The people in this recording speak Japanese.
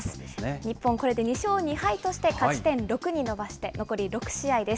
日本これで２勝２敗として、勝ち点６に伸ばして残り６試合です。